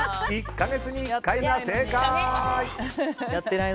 １か月に１回が正解！